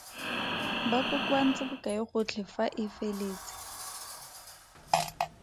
Ba kokoantse bokae gotlhe fa e feletse?